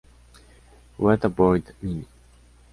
What about Mimi?